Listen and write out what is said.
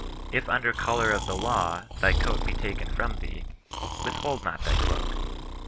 If under colour of the law thy coat be taken from thee, withhold not thy cloak.